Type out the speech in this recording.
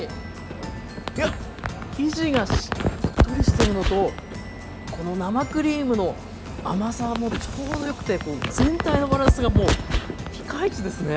いやっ生地がしっとりしてるのとこの生クリームの甘さもちょうどよくて全体のバランスがもうピカイチですね。